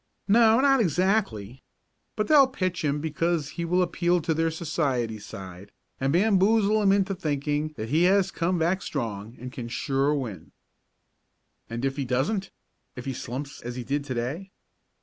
"No, not exactly. But they'll pitch him because he will appeal to their society side, and bamboozle 'em into thinking that he has come back strong, and can sure win." "And if he doesn't if he slumps as he did to day?"